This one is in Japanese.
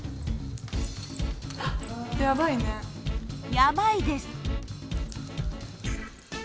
やばいです。